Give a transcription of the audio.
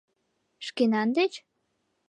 Шкенан деч?